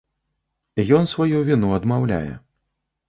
Ён сваю віну адмаўляе.